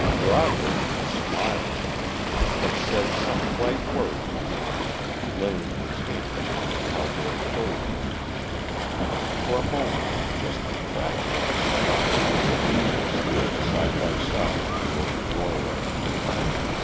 Broderick, smiling, had said some light word to Thornton, laying his hand upon the cowboy's shoulder. For a moment, just the fraction of a second the two men stood side by side in the open doorway.